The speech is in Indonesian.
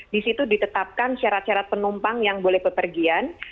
di situ ditetapkan syarat serat penumpang yang boleh bepergian